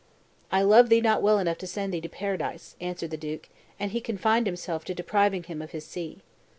"I love thee not well enough to send thee to paradise," answered the duke; and he confined himself to depriving him of his see.